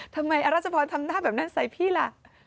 ทำไมเรารัชฟณอัลทำหน้าแบบนั้นนั่นใส่พี่ล่ะ